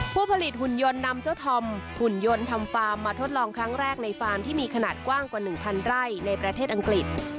ผู้ผลิตหุ่นยนต์นำเจ้าธอมหุ่นยนต์ทำฟาร์มมาทดลองครั้งแรกในฟาร์มที่มีขนาดกว้างกว่า๑๐๐ไร่ในประเทศอังกฤษ